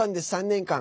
３年間。